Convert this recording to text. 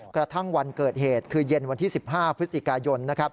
กระทั่งวันเกิดเหตุคือเย็นวันที่๑๕พฤศจิกายน